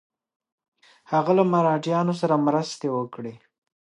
هغه له مرهټیانو سره مرستې وکړي.